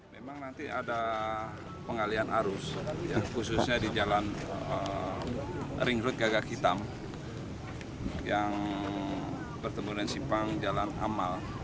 memang nanti ada pengalian arus khususnya di jalan ring road gagak hitam yang bertemu dengan simpang jalan amal